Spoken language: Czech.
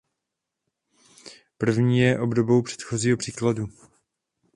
První je obdobou předchozího příkladu.